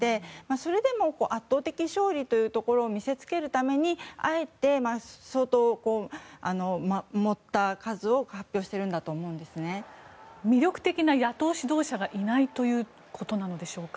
それでも圧倒的勝利を見せつけるためにあえて盛った数を魅力的な野党指導者がいないということでしょうか。